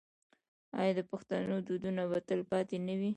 آیا د پښتنو دودونه به تل پاتې نه وي؟